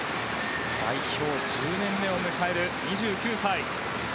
代表１０年目を迎える２９歳。